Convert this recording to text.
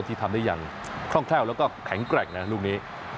ที่ทำได้อย่างคล่องแคล่วแล้วก็แข็งแกร่งนะลูกนี้